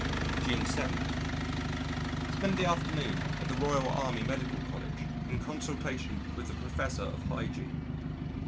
June 7. Spent the afternoon at the Royal Army Medical College in consultation with the Professor of Hygiene.